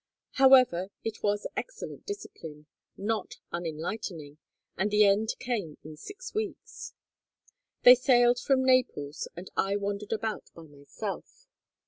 However, it was excellent discipline, not unenlightening, and the end came in six weeks. They sailed from Naples and I wandered about by myself.